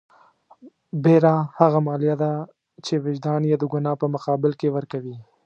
بېره هغه مالیه ده چې وجدان یې د ګناه په مقابل کې ورکوي.